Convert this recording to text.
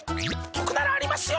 とくならありますよ！